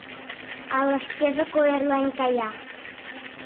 Ала шкежак ойырлен кая.